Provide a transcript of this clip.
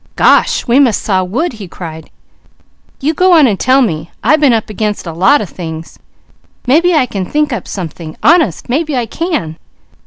"Gosh, we must saw wood!" he cried. "You go on and tell me. I been up against a lot of things. Maybe I can think up something. Honest, maybe I can!"